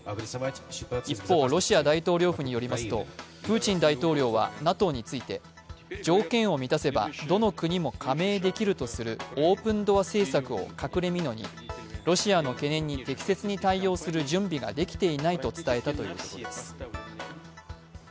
一方、ロシア大統領府によりますとプーチン大統領は、ＮＡＴＯについて、条件を満たせばどの国も加盟できるとするオープンドア政策を隠れみのにロシアの懸念に適切に対応する準備ができていないと伝えたということです。